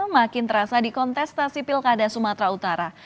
makin terasa di kontestasi pilkada sumatera utara